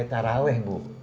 kita sudah mulai taraweh bu